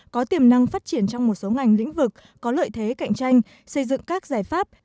có tiềm năng phát triển trong một số ngành lĩnh vực có lợi thế cạnh tranh xây dựng các giải pháp